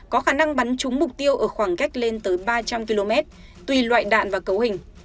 có khả năng bắn chúng mục tiêu ở khoảng cách lên tới ba trăm linh km tùy loại đạn và cấu hình